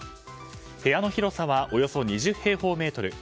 部屋の広さはおよそ２０平方メートル。